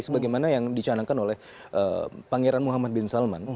sebagaimana yang dicanangkan oleh pangeran muhammad bin salman